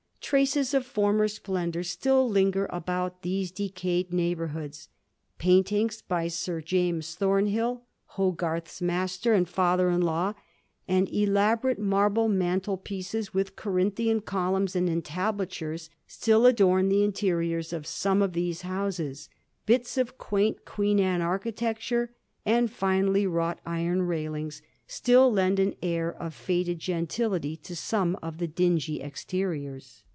Traces of former splendour still linger about these decayed neighbourhoods ; paintings by Sir James Thomhill, Hogarth's master and father in law, and elaborate marble mantle pieces with Corinthian columns and entablatures still adorn the interiors of some of these houses ; bits of quaint Queen Anne architecture and finely wrought iron railings still lend an air of faded gentility to some of the dingy exteriors.